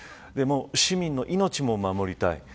でも市民の命も守りたい。